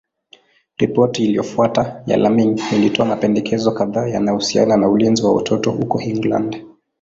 Ripoti iliyofuata ya Laming ilitoa mapendekezo kadhaa yanayohusiana na ulinzi wa watoto huko England.